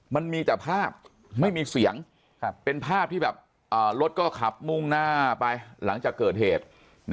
มันมีแต่ภาพไม่มีเสียงเป็นภาพที่แบบรถก็ขับมุ่งหน้าไปหลังจากเกิดเหตุ